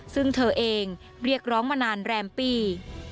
ซึ่งเธอเองเรียกร้องมานานแรมปี